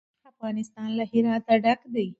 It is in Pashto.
افغانستان له هرات ډک دی.